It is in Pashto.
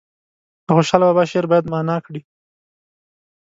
د خوشحال بابا شعر باید معنا کړي.